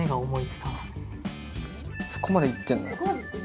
そこまでいってんの？